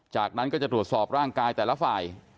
จากนั้นก็จะตรวจสอบร่างกายแต่ละฝ่าย